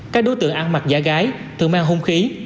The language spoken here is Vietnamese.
các đối tượng ăn mặc giả gái thường mang hung khí